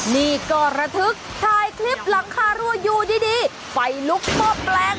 นี่ก็ระทึกถ่ายคลิปหลังคารัวอยู่ดีไฟลุกหม้อแปลง